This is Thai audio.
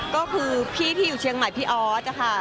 ก็คือพี่ที่อยู่เชียงใหม่พี่ออสค่ะ